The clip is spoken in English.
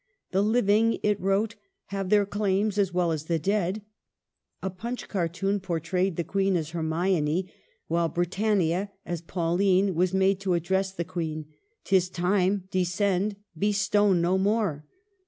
"The living," it wrote, "have their claims as well as the dead." A Punch cartoon portrayed the Queen as Hermione, while Britannia, as Pauline, was made to address the Queen, " 'Tis time ; descend ; be stone no more